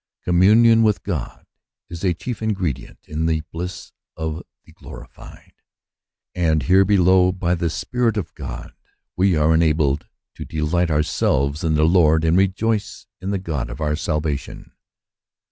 Communion with God is a chief ingredient in the bliss of the glorified ; and here below, by the Spirit of God, we are enabled to delight ourselves in the Lord, and rejoice in the God of our salvation.